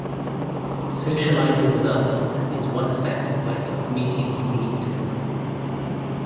Socializing with others is one effective way of meeting the need to belong.